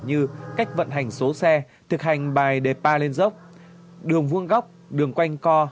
như cách vận hành số xe thực hành bài đề pa lên dốc đường vuông góc đường quanh co